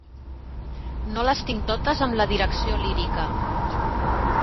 No les tinc totes amb la direcció lírica.